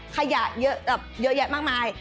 ขยะเยอะแบบเยอะแยะมากมาย